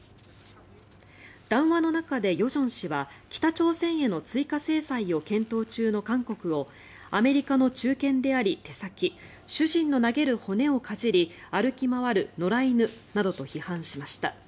談話の中で与正氏は、北朝鮮への追加制裁を検討中の韓国をアメリカの忠犬であり手先主人の投げる骨をかじり歩き回る野良犬などと批判しました。